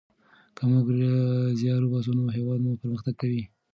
که موږ زیار وباسو نو هیواد مو پرمختګ کوي.